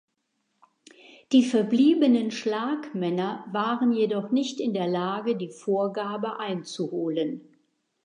Die verbliebenen Schlagmänner waren jedoch nicht in der Lage die Vorgabe einzuholen.